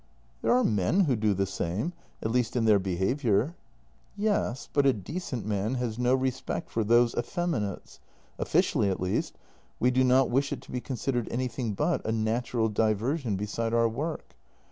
" There are men who do the same — at least in their be haviour."' " Yes, but a decent man has no respect for those effeminates. Officially at least we do not wish it to be considered anything but a natural diversion beside our work.